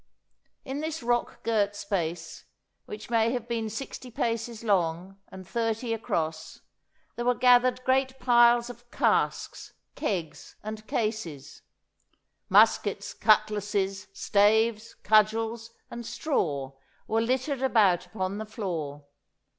In this rock girt space, which may have been sixty paces long and thirty across, there were gathered great piles of casks, kegs and cases; muskets, cutlasses, staves, cudgels, and straw were littered about upon the floor.